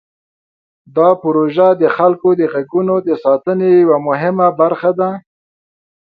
دا پروژه د خلکو د غږونو د ساتنې یوه مهمه برخه ده.